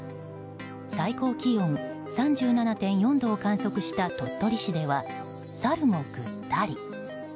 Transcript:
最高気温３７．４度を観測した鳥取市ではサルもぐったり。